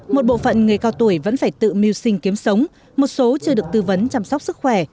một bộ phận người cao tuổi vẫn phải tự mưu sinh kiếm sống một số chưa được tư vấn chăm sóc sức khỏe